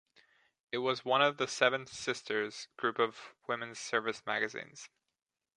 It was one of the "Seven Sisters" group of women's service magazines.